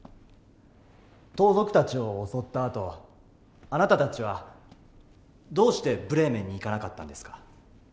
盗賊たちを襲ったあとあなたたちはどうしてブレーメンに行かなかったんですか？